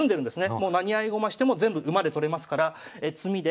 もう何合駒しても全部馬で取れますから詰みで。